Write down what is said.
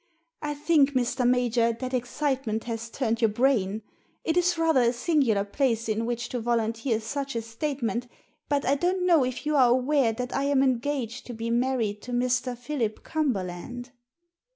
"I think, Mr. Major, that excitement has turned your brain. It is rather a singular place in which to volunteer such a statement, but I don't know if you are aware that I am engaged to be married to Mr. Philip Cumberland?"